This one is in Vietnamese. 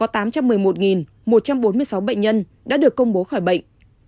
có tám trăm một mươi một một trăm bốn mươi sáu bệnh nhân đã được công bố khỏi bệnh